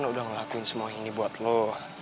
gua kan udah ngelakuin semua ini buat lu